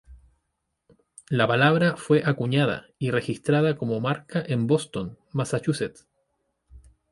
La palabra fue acuñada y registrada como marca en Boston, Massachusetts.